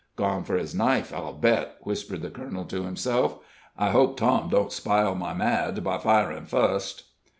"Gone for his knife, I'll bet," whispered the colonel to himself. "I hope Tom don't spile my mad by firin' fust."